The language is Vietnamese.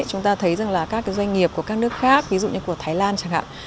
chúng ta thấy rằng là các doanh nghiệp của các nước khác ví dụ như của thái lan chẳng hạn